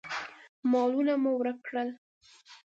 مالونه مو ورک کړل.